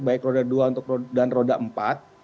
baik roda dua dan roda empat